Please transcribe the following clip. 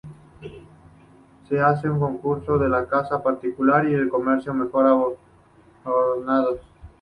Se hacen concursos de la casa particular y el comercio mejor adornados.